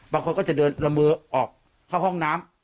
บางคนก็จะเดินละเมอออกเข้าห้องน้ำ